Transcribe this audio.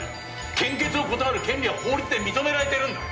献血を断る権利は法律で認められてるんだ。